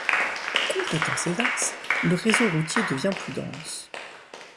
Complétant ces axes, le réseau routier devient plus dense.